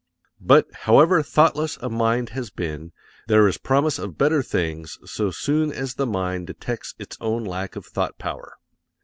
But, however thought less a mind has been, there is promise of better things so soon as the mind detects its own lack of thought power.